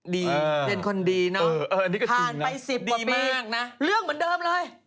ดีเป็นคนดีเนอะผ่านไป๑๐กว่าปีเรื่องเหมือนเดิมเลย